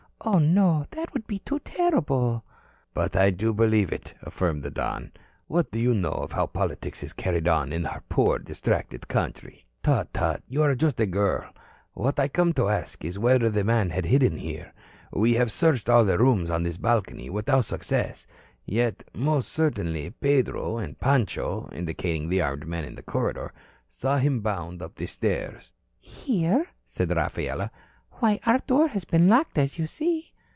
Oh, no. That would be too terrible." "But I do believe it," affirmed the Don. "What do you know of how politics is carried on in our poor, distracted country? Tut, tut, you are just a girl. What I came to ask was whether the man had hidden here? We have searched all the rooms on this balcony, without success. Yet most certainly Pedro and Pancho" indicating the armed men in the corridor "saw him bound up the stairs." "Here?" said Rafaela. "Why, our door has been locked, as you see."